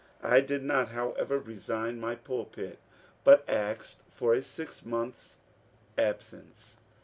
I did not, however, resign my pulpit, but asked for a six months' absence.